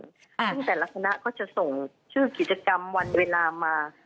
ซึ่งแต่ละคณะก็จะส่งชื่อกิจกรรมวันเวลามา